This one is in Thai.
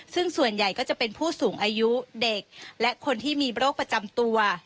ซึ่งส่วนใหญ่ก็จะเป็นผู้สูงอายุเด็กและคนที่มีโรคประจำตัว